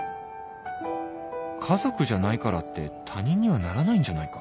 家族じゃないからって他人にはならないんじゃないか？